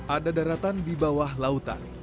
ada daratan di bawah lautan